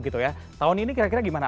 tahun ini kira kira gimana